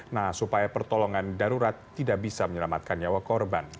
nah supaya pertolongan darurat tidak bisa menyelamatkan nyawa korban